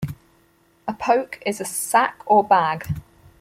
A poke is a sack or bag.